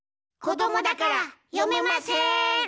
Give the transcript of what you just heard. こどもだからよめません。